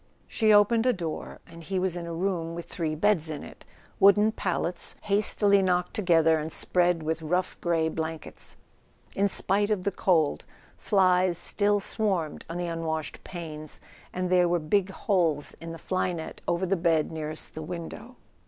She opened a door, and he was in a room with three beds in it, wooden pallets hastily knocked together and spread with rough grey blankets. In spite of the cold, flies still swarmed on the unwashed panes, and there were big holes in the fly net over the bed nearest the window.